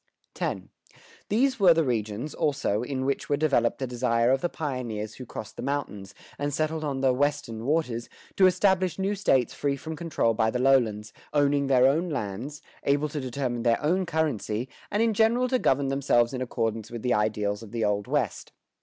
[122:1] X. These were the regions, also, in which were developed the desire of the pioneers who crossed the mountains, and settled on the "Western waters," to establish new States free from control by the lowlands, owning their own lands, able to determine their own currency, and in general to govern themselves in accordance with the ideals of the Old West.